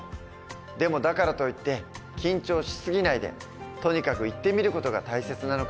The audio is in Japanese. でもだからといって緊張し過ぎないでとにかく行ってみる事が大切なのかもしれない。